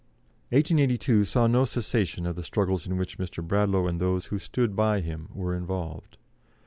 1882 saw no cessation of the struggles in which Mr. Bradlaugh and those who stood by him were involved.